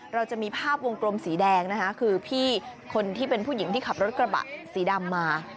เราจะมีภาพวงกลมสีแดงนะคะคือพี่คนที่เป็นผู้หญิงที่ขับรถกระบะสีดำมา